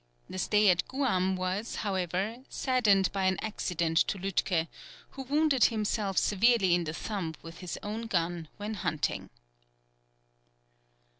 The stay at Guam was, however, saddened by an accident to Lütke, who wounded himself severely in the thumb with his own gun when hunting.